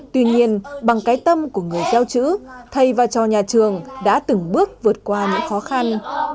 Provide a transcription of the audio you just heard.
tuy nhiên bằng cái tâm của người gieo chữ thầy và cho nhà trường đã từng bước vượt qua những khó khăn